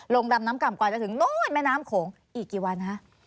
ดำน้ำก่ำกว่าจะถึงโน้นแม่น้ำโขงอีกกี่วันคะ